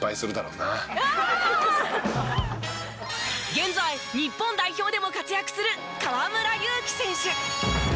現在日本代表でも活躍する河村勇輝選手。